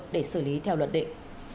để xử lý theo luật định